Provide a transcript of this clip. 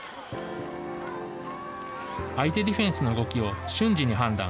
相手ディフェンスの動きを瞬時に判断。